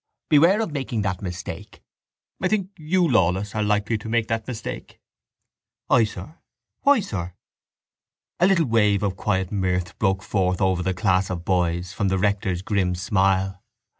Beware of making that mistake. I think you, Lawless, are likely to make that mistake. —I sir? Why, sir? A little wave of quiet mirth broke forth over the class of boys from the rector's grim smile.